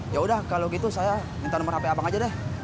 ya udah kalau gitu saya minta nomor hp abang aja deh